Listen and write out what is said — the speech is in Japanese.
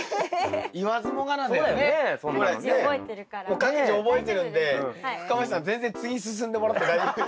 もう各自覚えてるんで深町さん全然次進んでもらって大丈夫ですよ。